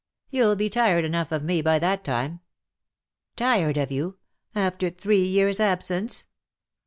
You'll be tired enough of me by that time.'^ " Tired of you ! After three years' absence